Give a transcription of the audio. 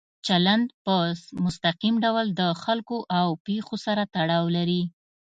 چلند په مستقیم ډول د خلکو او پېښو سره تړاو لري.